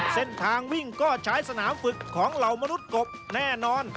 เส้นทางวิ่งก็ใช้สนามฝึกของเหล่ามนุษย์กบแน่นอน